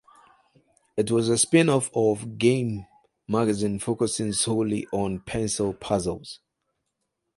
It was a spinoff of "Games" magazine focusing solely on pencil puzzles.